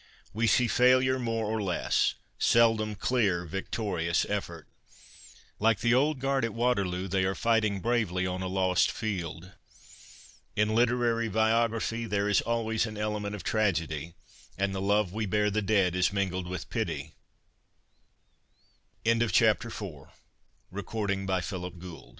' We see failure more or less — seldom clear, victorious effort. Like the Old Guard at Waterloo, they are righting bravely on a lost field. In literary biography there is always an element of tragedy, and the love we bear the dead is mingled with